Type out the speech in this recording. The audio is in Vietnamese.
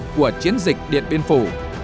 của chiến dịch điện biên phủ